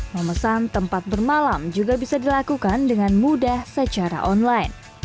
memesan tempat bermalam juga bisa dilakukan dengan mudah secara online